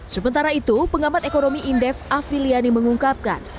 sementara itu pengamat ekonomi indef afiliani mengungkapkan